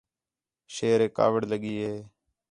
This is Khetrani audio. شیریک کاوِڑ لڳی ہِے